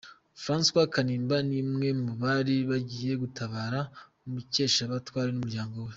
Francois Kanimba ni umwe mu bari bagiye gutabara Mukeshabatware n'umuryango we.